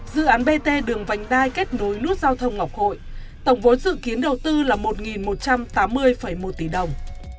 dự án bt đường vành đai kết nối nút giao thông ngọc hội tổng vốn dự kiến đầu tư là một một trăm tám mươi một tỷ đồng